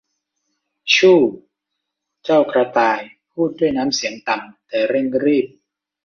ชู่ว เจ้ากระต่ายพูดด้วยน้ำเสียงต่ำแต่เร่งรีบ